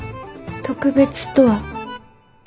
「特別」とは？